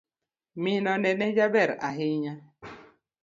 Min ode ne jaber ahinya.